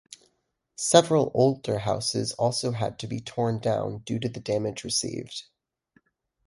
Several older houses also had to be torn down due to the damage received.